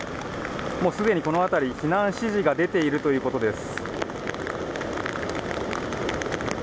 すでにこの辺り、避難指示が出ているということです。